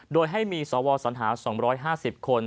โดยให้มีสวสัญหา๒๕๐คน